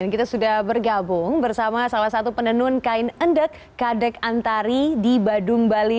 kita sudah bergabung bersama salah satu penenun kain endek kadek antari di badung bali